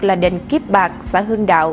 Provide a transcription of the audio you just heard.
là đền kiếp bạc xã hưng đạo